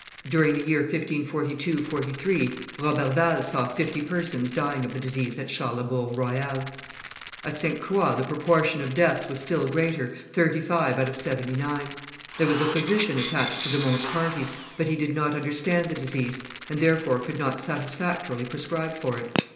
During the year 1542 3, Roberval saw fifty persons dying of the disease at Charlesbourg Royal. At Ste. Croix the proportion of deaths was still greater, thirty five out of seventy nine. There was a physician attached to de Monts' party, but he did not understand the disease, and therefore could not satisfactorily prescribe for it.